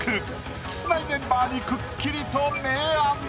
キスマイメンバーにくっきりと明暗。